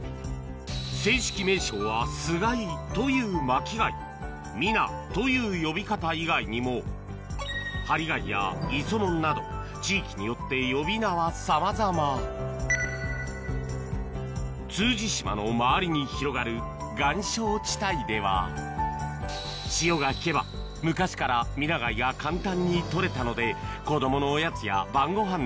正式名称はスガイという巻き貝ミナという呼び方以外にも地域によって呼び名はさまざま通詞島の周りに広がる岩礁地帯では潮が引けば昔からミナ貝が簡単に採れたので海藻付いてて。